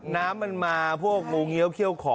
น้ำมันมาพวกงูเงี้ยเขี้ยวขอ